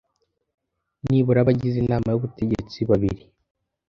nibura abagize Inama y Ubutegetsi babiri